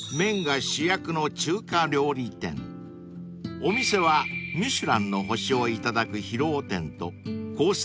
［お店はミシュランの星を頂く広尾店とコース